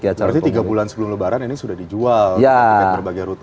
berarti tiga bulan sebelum lebaran ini sudah dijual tiket berbagai rute